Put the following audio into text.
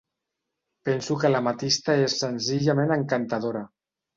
Penso que l'ametista és senzillament encantadora.